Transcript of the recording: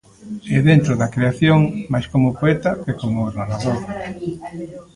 E, dentro da creación, máis como poeta que como narrador.